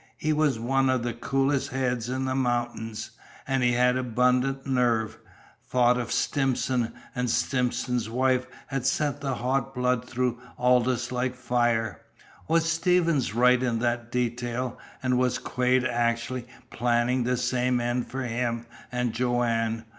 He was one of the coolest heads in the mountains. And he had abundant nerve. Thought of Stimson and Stimson's wife had sent the hot blood through Aldous like fire. Was Stevens right in that detail? And was Quade actually planning the same end for him and Joanne?